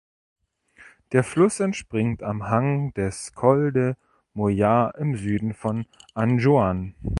Der Fluss entspringt am Hang des Col de Moya im Süden von Anjouan.